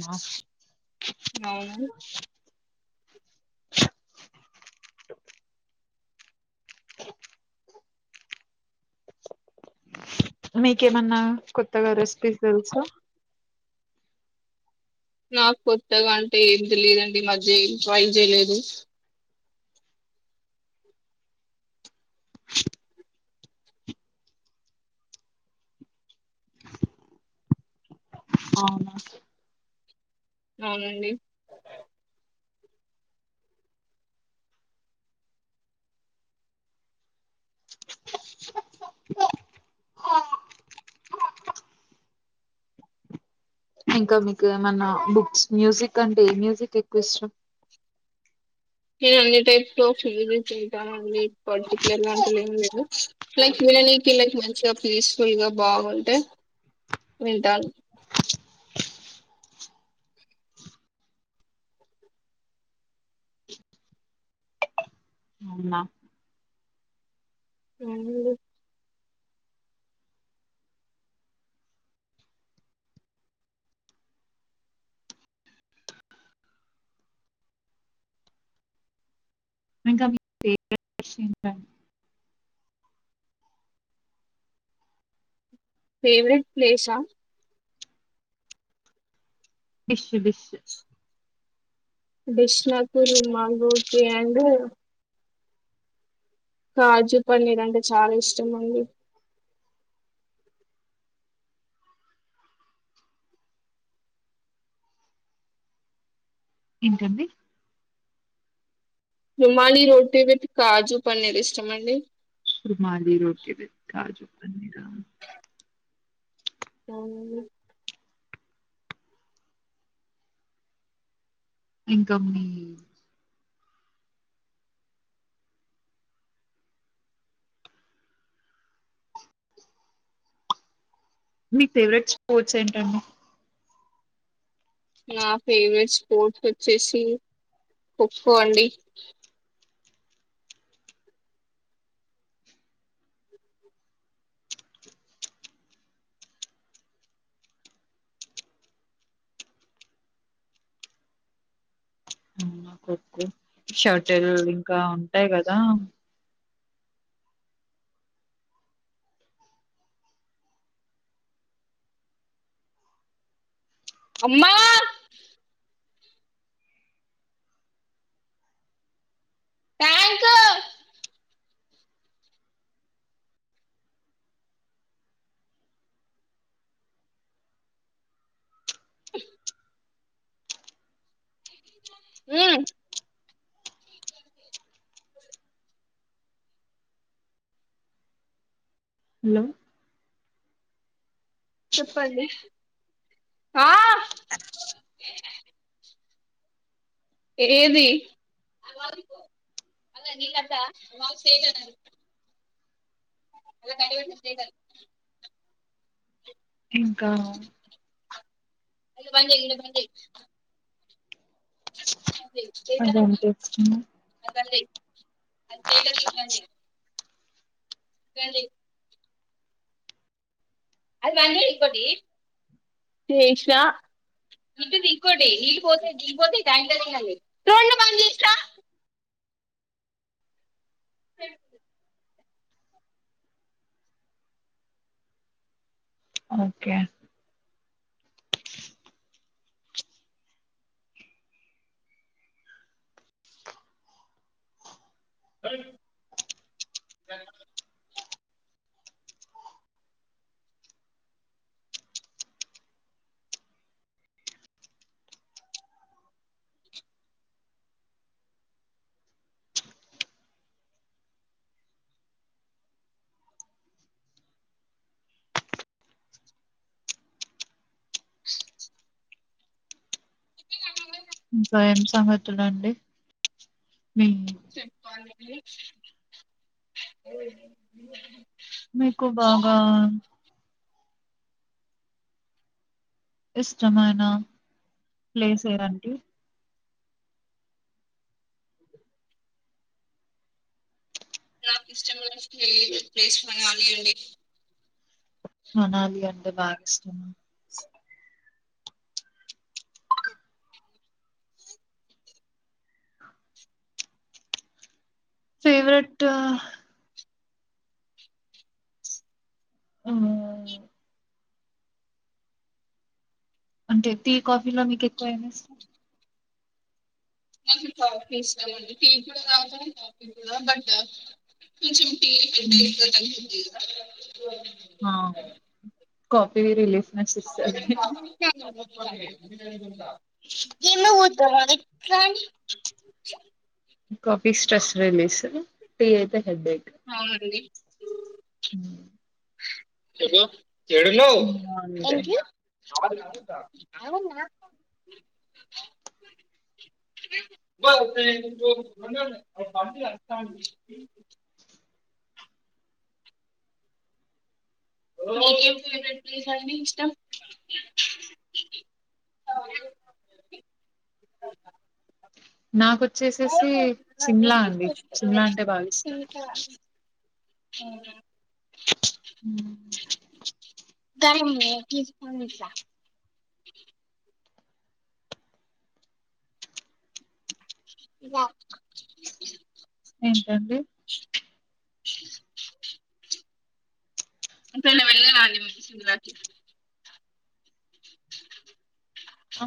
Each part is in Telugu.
నా అవునా మీకేమన్నా కొత్తగా రెసిపీస్ తెలుసా నాకు కొత్తగా అంటే ఏమి తెలిదండి ఈ మధ్య ఏం ట్రై చేయలేదు అవునా, అవునండి ఇంకా మీకు ఏమన్నా బుక్స్ మ్యూజిక్ అంటే మ్యూజిక్ ఎక్కువ ఇష్టం నేను అన్ని టైప్ లో ఫూజి తింటానుండి పర్టిక్యలర్గ అంటు లేదు లైక్ పిల్ల నీ పిల్లకి మంచిగా పీస్ఫుల్ గా బాగుంటే వింటాను అవునా అవునండి [unintelligible] ఫేవరెట్ ప్లేసా డిష్ డిష్ డిష్ ఆ మాంగూటి అండ్ కాజు పన్నీర్ అంటే చాలా ఇష్టం అండి ఏంటండి రుమాలి రోటీ విత్ కాజు పన్నీర్ ఇష్టమండి శమాలి రోటిది కాజు పన్నీరా అవునండి ఇంకా మీ మీ ఫేవరెట్ స్పోర్ట్స్ ఏంటండి నా ఫేవరెట్ స్పోర్ట్స్ వచ్చేసి ఖోఖో అండి అవునా ఖో ఖో షటిల్ ఇంకా ఉంటాయి కదా అమ్మా థ్యాంక్ ఉమ్ హలో చెప్పండి ఆ ఏది [unintelligible] [unintelligible] ఇంకా [unintelligible] అవంటే ఇష్టమా [unintelligible] రండి అది బంద్ చెయ్ ఇంకోటి చేసిన ఇటు దింకోటీ నీళ్ళ పోతా దిగిపోతే ఈ టాంకర్ వెయ్యాలి. స ఓకే అ ఇంకా ఏం సంగతులండి మీ చెప్పాలి అండి మీకు బాగా ఇష్టమైన ప్లేస్ ఏలాంటి నాకు ఇష్టమైన తెదు ప్లేస్ అాలి అండి మనాలి అంటే బాగా ఇష్టమా ఫేవరెట్ ఆ అంటే టీ కాఫీలో మీకు ఎక్కువ ఏమి ఇష్టం మనకు టాపి ఇస్తాంమండి టీవీ కూడా రాతాం టాపి కూడా బట్ కొంచెం [inaudible] కాపీ రిలీజ్ ఏల ఉ కాఫీ స్ట్రెస్ రిలీస్ టీ అయితే హెడ్బేక్ అవునండి ఉ చె చెడులవుం అంతే ూ బస్ మా మీకేం ఫేవరెట్ ప్లేస్ అండి ఇష్టం నాకొచ్చేసేసి సిమ్లా అండి సిమ్లా అంటే భావిస్తాం హ అ లా వా ఏంటండి? అంత వెళ ని రా ఆ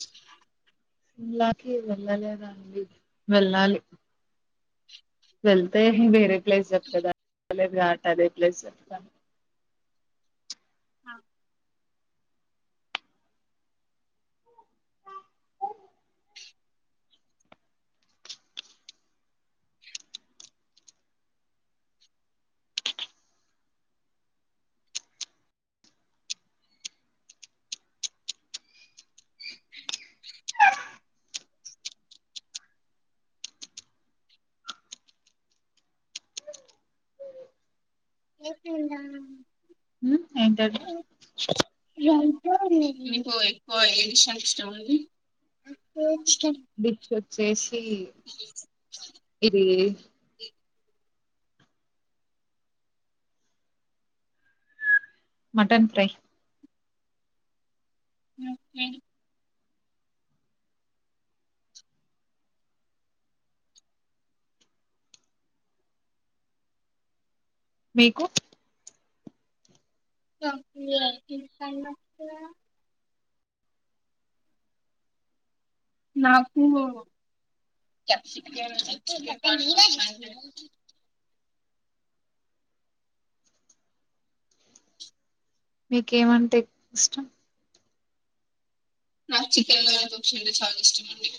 సిలాకి వెళ్ళలేదా అండి వెళ్ళాలి వెళ్తే వేరే ప్లేస్ చెప్ కదాట అదే ప్లేస్ చెప్తా ఆ ఏసంద ఏంట మీకు ఎక్కువ ఏడిషన్ ఇష్టం అది బిచ్ వచ్చేసి ఇది మటన్ ఫ్రై చికెన్ మీకు చప్ప ఇ నాకు క్యాప్సికమ్ మీకేమంటే ఇష్టం నాకు చికెన్ లో తసి అంటే చాలా ఇష్టం అండి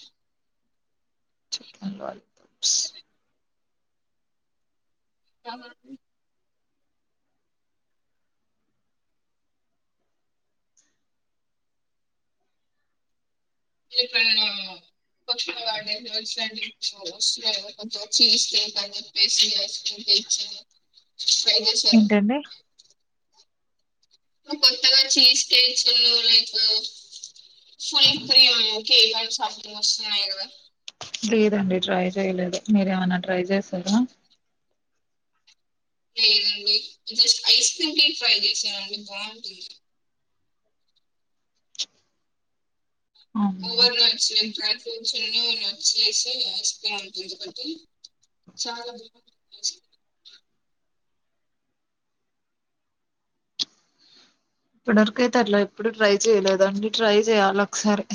క వా అ ఇక్క ప వా కొ చ పసి ట్రై చేసారా ఏంటండి కొత్తగా చీజ్ కేక్స్ లల్లో like full cream cake some వస్తున్నాయి కదా. లేదండి ట్రై చేయలేదు. మీరేమన్నా ట్రై చేసారా? లేదండి జస్ట్ ఐస్ క్రీమ్కి ట్రై చేసానండి బావుంటుంది. అవునా ఓవర్ నైట్స్ డ్రై ప్రూట్స్ ఉన్ను [inaudible] మిక్సిలేసి [inaudible] పట్టి చాల [inaudible] ఇప్పటి వరకయితే అట్లా ఎప్పుడు ట్రై చెయలేదండి. ట్రై చెయాలి ఒకసారి.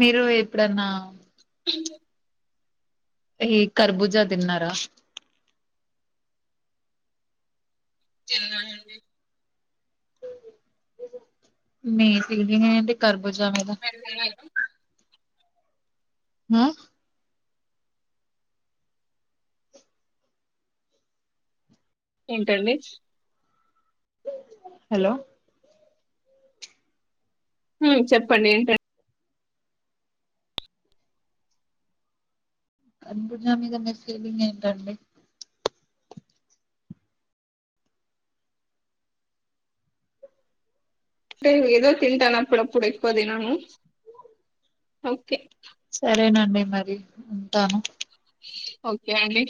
మీరు ఎప్పుడన్నా అ ఈ కర్బుజా తిన్నారా. తిన్నానండి. మీ ఫీలింగ్ ఎంటి కర్జుజా మీద. ఆ ఏంటండి? హలో చెప్పండి ఏంటండి. ఖర్బుజా మీదా మీ ఫీలింగ్ ఏంటండి. నేను ఏదో తింటాను అప్పుడుప్పుడు ఎక్కువ తినను ఓకే. సరేనండి మరి ఉంటాను. ఓకే అండి